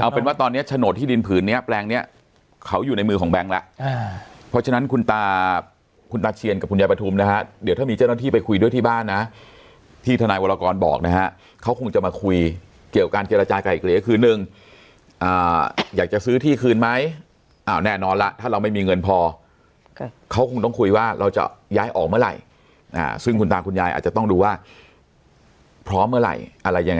เอาเป็นว่าตอนเนี้ยโฉนดที่ดินผืนนี้แปลงเนี้ยเขาอยู่ในมือของแบงค์ล่ะอ่าเพราะฉะนั้นคุณตาคุณตาเชียนกับคุณยายประทุมนะฮะเดี๋ยวถ้ามีเจ้าหน้าที่ไปคุยด้วยที่บ้านนะที่ทนายวรากรบอกนะฮะเขาคงจะมาคุยเกี่ยวกันเกี่ยวราชาไก่เกลียวคือหนึ่งอ่าอยากจะซื้อที่คืนไหมอ่าแน่นอนล่ะถ้าเราไม่ม